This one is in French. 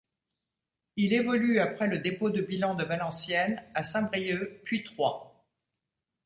Il évolue après le dépôt de bilan de Valenciennes, à Saint-Brieuc puis Troyes.